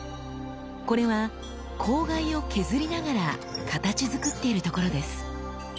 これは笄を削りながら形づくっているところです。